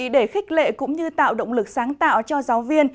để khích lệ cũng như tạo động lực sáng tạo cho giáo viên